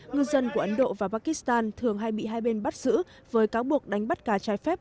ngư dân của ấn độ và pakistan thường hay bị hai bên bắt giữ với cáo buộc đánh bắt cá trái phép